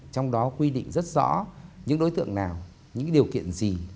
trong đó quy định rất rõ những đối tượng nào những điều kiện gì